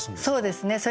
そうですね。